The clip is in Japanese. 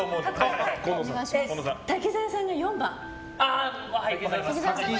滝沢さんが４番。